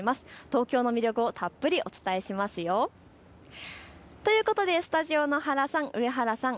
東京の魅力をたっぷりお伝えしますよ。ということでスタジオの原さん、上原さん。